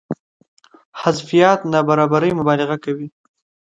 حذفيات نابرابرۍ مبالغه کوي.